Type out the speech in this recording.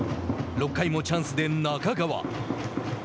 ６回もチャンスで中川。